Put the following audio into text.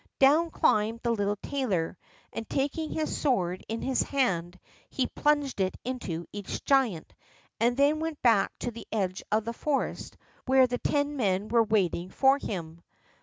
Down climbed the little tailor, and taking his sword in his hand he plunged it into each giant, and then went back to the edge of the forest where the ten men were waiting for him.